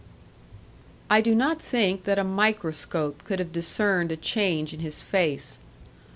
I do not think that a microscope could have discerned a change in his face.